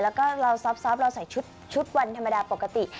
แล้วก็เราซอบเราใส่ชุดวันธรรมดาปกติ